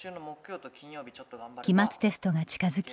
期末テストが近づき